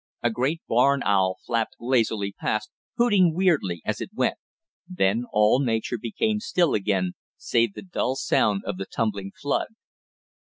A great barn owl flapped lazily past, hooting weirdly as it went; then all nature became still again, save the dull sound of the tumbling flood.